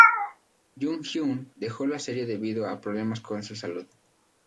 Jung-hyun dejó la serie debido a problemas con su salud.